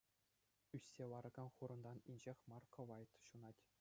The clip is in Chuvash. Ӳссе ларакан хурӑнтан инҫех мар кӑвайт ҫунать.